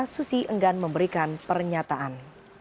susi enggan memberikan pernyataan